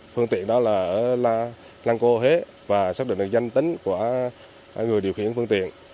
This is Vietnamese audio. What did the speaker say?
phương tiện đó là ở lăng cô huế và xác định được danh tính của người điều khiển phương tiện